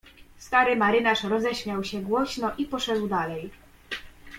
"Stary marynarz roześmiał się głośno i poszedł dalej."